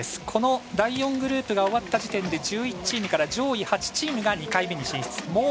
この第４グループが終わった時点で１１チームから上位８チームが２回目に進出。